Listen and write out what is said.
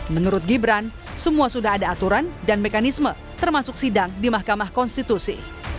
menurut gibran semua sudah ada aturan dan mekanisme termasuk sidang di mahkamah konstitusi